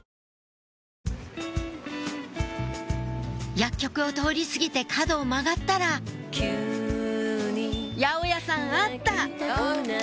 薬局を通り過ぎて角を曲がったら八百屋さんあった！